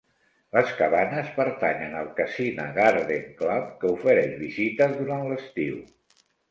Les cabanes pertanyen al Cassina Garden Club, que ofereix visites durant l'estiu.